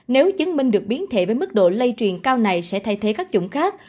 nếu chứng minh được biến thể với mức độ lây truyền cao này sẽ thay thế các chủng khác